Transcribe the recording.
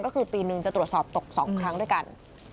ก็คือปีหนึ่งจะตรวจสอบตก๒ครั้งด้วยกัน